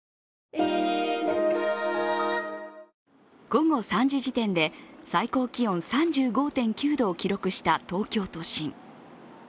午後３時時点で、最高気温３５．９度を記録した東京都心。